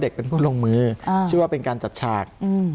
เป็นผู้ลงมือชื่อว่าเป็นการจัดฉาก